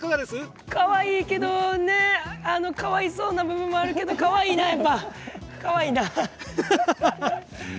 かわいいけどかわいそうな部分もあるけどかわいいな、やっぱりかわいいな。